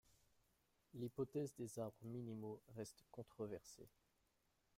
L'hypothèse des arbres minimaux reste controversée.